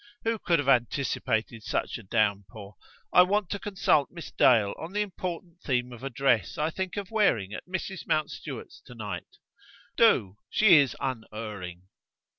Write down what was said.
Who could have anticipated such a downpour! I want to consult Miss Dale on the important theme of a dress I think of wearing at Mrs Mountstuart's to night." "Do. She is unerring."